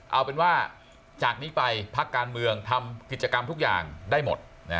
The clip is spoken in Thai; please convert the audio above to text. เอาเป็นว่าจากนี้ไปพักการเมืองทำกิจกรรมทุกอย่างได้หมด